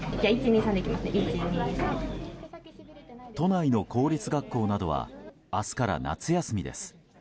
都内の公立学校などは明日から夏休みです。